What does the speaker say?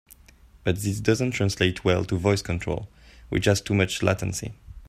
But this doesn't translate well to voice control, which has too much latency.